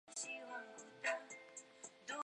范希朝人。